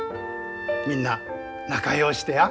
みんな仲ようしてや。